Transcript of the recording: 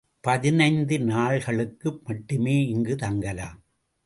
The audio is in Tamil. பதினைந்து நாள்களுக்கு மட்டுமே இங்குத் தங்கலாம்.